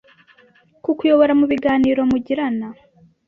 kukuyobora mu biganiro mugirana.